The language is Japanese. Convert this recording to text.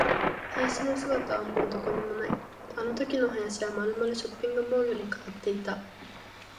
林の姿はもうどこにもない。あのときの林はまるまるショッピングモールに変わっていた。